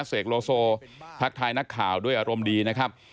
เสกโลโซทักทายนักข่าวด้วยอารมณ์ดีนะครับ